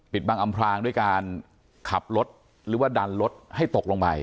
บังอำพรางด้วยการขับรถหรือว่าดันรถให้ตกลงไป